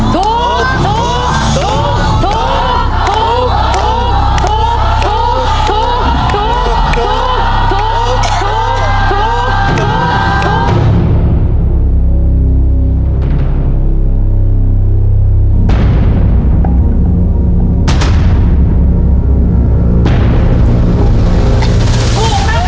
ถูก